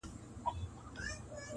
يوه ورځ پر دغه ځمکه -